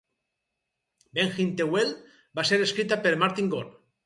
"Behind the Wheel" va ser escrita per Martin Gore.